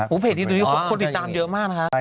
เพจนี้คนติดตามเยอะมากนะคะ